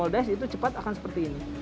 kalau kita moldas itu cepat akan seperti ini